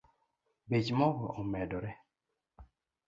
Bech mogo omedore